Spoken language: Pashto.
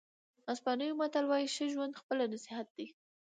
اسپانوي متل وایي ښه ژوند خپله نصیحت دی.